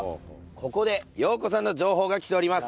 ここで陽子さんの情報が来ております。